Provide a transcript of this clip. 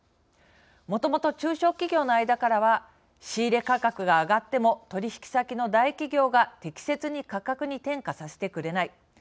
もともと、中小企業の間からは仕入れ価格が上がっても取引先の大企業が適切に価格に転嫁させてくれない。